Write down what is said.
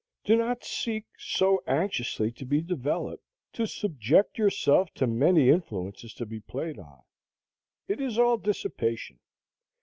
Do not seek so anxiously to be developed, to subject yourself to many influences to be played on; it is all dissipation.